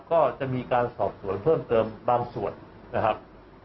ก็จะมีการสอบสวนเพิ่มเติมบางส่วนนะครับ